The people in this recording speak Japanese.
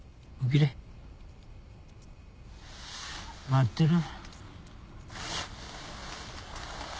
待ってる。